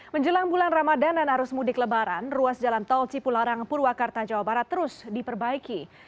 menjelang bulan ramadan dan arus mudik lebaran ruas jalan tol cipularang purwakarta jawa barat terus diperbaiki